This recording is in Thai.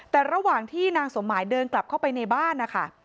แต่ระหว่างที่นางสมหมายเดินกลับเข้าไปในบ้านนะคะ